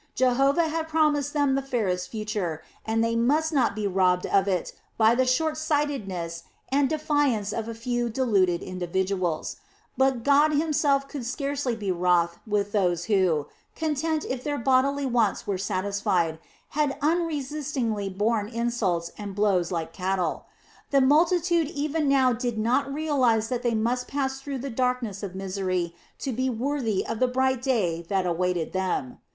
Jehovah had promised them the fairest future and they must not be robbed of it by the short sightedness and defiance of a few deluded individuals; but God himself could scarcely be wroth with those who, content if their bodily wants were satisfied, had unresistingly borne insults and blows like cattle. The multitude even now did not realize that they must pass through the darkness of misery to be worthy of the bright day that awaited them.